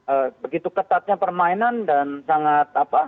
ee begitu ketatnya permainan dan sangat apa